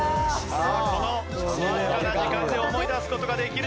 さあこのわずかな時間で思い出す事ができるでしょうか？